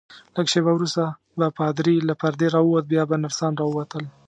لږ شیبه وروسته به پادري له پردې راووت، بیا به نرسان راووتل.